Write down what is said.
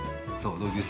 ◆同級生？